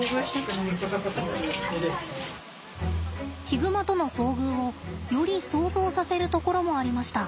ヒグマとの遭遇をより想像させるところもありました。